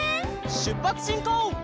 しゅっぱつしんこう！